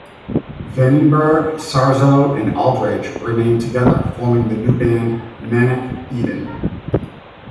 Vandenberg, Sarzo, and Aldridge remained together, forming the new band Manic Eden.